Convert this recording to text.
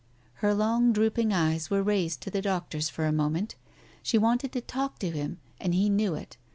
..." Her long drooping eyes were raised to the doctor's for a moment. She wanted to talk to him, and he knew it.